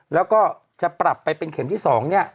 แล้วก็จะปรับไปเป็นเข็มที่๒เนี่ย